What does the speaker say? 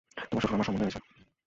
তোমার শ্বশুর আবার সম্বন্ধ এনেছে।